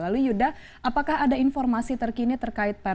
lalu yuda apakah ada informasi terkini terkait pemda